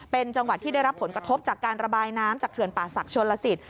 เป็นจังหวัดที่ได้รับผลกระทบจากการระบายน้ำจากเขื่อนป่าศักดิชนลสิต